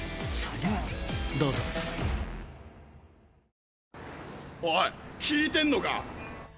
それではどうぞおい聞いてんのか？